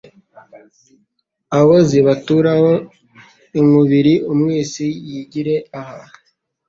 Aho zibaturaho inkubiriUmwisi yigire aha